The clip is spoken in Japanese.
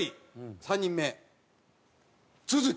３人目都築。